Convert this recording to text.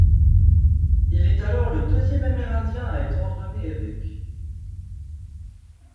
Il est alors le deuxième amérindien à être ordonné évêque.